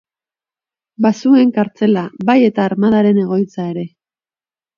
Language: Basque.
Bazuen kartzela, bai eta armadaren egoitza ere.